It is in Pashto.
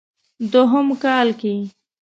دوهم کال کې